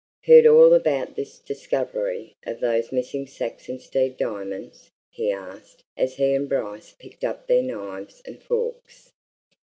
"Heard all about this discovery of those missing Saxonsteade diamonds?" he asked as he and Bryce picked up their knives and forks.